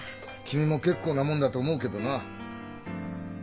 君も結構なもんだと思うけどなあ。